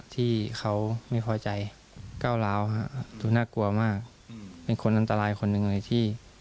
ที่เขาไม่พอใจก้าวร้าวฮะดูน่ากลัวมากเป็นคนอันตรายคนหนึ่งเลยที่